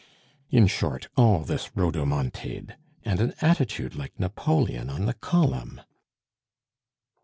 In short, all this rhodomontade! And an attitude like Napoleon on the column."